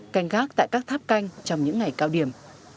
canh gác tại các tháp canh trong những ngày cao điểm